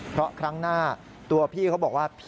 เพราะครั้งหน้าตัวพี่เขาบอกว่า